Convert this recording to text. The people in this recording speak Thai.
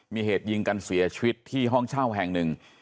มีเหตุยิงกันเสียชีวิตที่ห้องเช่าแห่งหนึ่ง